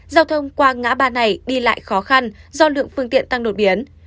giao thông qua ngã ba này đi lại khó khăn do lượng phương tiện tăng đột biến